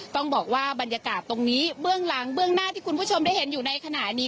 ต้องบอกว่าบรรยากาศตรงนี้เบื้องหลังเบื้องหน้าที่คุณผู้ชมได้เห็นอยู่ในขณะนี้